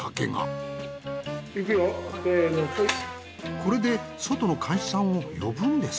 これで外の看守さんを呼ぶんです。